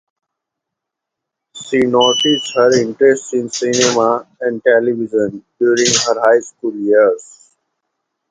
She noticed her interest in cinema and television during her high school years.